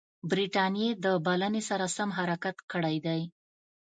برټانیې د بلنې سره سم حرکت کړی دی.